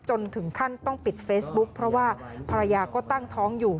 จนถึงขั้นต้องปิดเฟซบุ๊คเพราะว่าภรรยาก็ตั้งท้องอยู่